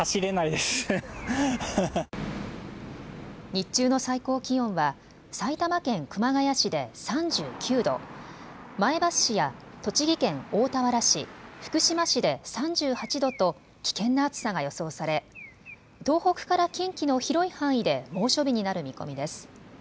日中の最高気温は埼玉県熊谷市で３９度、前橋市や栃木県大田原市、福島市で３８度と危険な暑さが予想され東北から近畿の広い範囲で猛暑日になる見込みです。